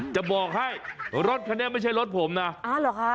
จะบอกให้รถคันนี้ไม่ใช่รถผมนะอ๋อเหรอคะ